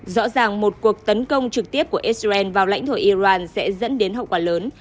rõ ràng một cuộc tấn công trực tiếp của israel vào lãnh thổ iran sẽ dẫn đến hậu quả lớn